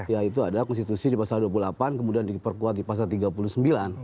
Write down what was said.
ya itu adalah konstitusi di pasal dua puluh delapan kemudian diperkuat di pasal tiga puluh sembilan